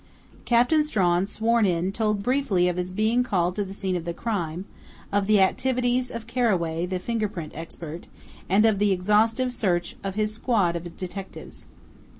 Captain Strawn, sworn in, told briefly of his being called to the scene of the crime, of the activities of Carraway, the fingerprint expert, and of the exhaustive search of his squad of detectives.